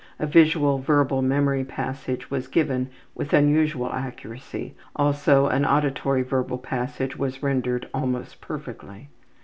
A visual verbal memory passage was given with unusual accuracy, also an auditory verbal passage was rendered almost perfectly.